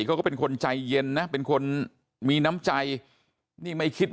แล้วก็ยัดลงถังสีฟ้าขนาด๒๐๐ลิตร